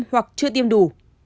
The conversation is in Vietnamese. hoặc chưa tiêm đủ